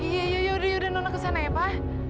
ya ya ya udah udah nona ke sana ya pa